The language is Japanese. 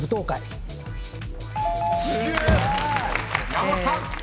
［山本さん］